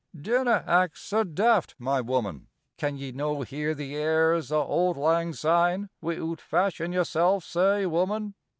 Dinna act sae daft, my wooman. Can ye no hear the airs o' auld lang syne Wi'oot fashin' yersel' sae, wooman?"